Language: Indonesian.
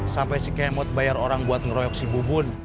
sampai si kemot bayar orang buat ngeroyok si bubun